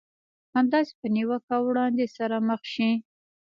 همداسې په نيوکه او وړانديز سره مخ شئ.